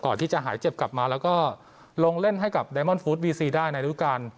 ที่จะหายเจ็บกลับมาแล้วก็ลงเล่นให้กับไดมอนฟู้ดวีซีได้ในรูปการ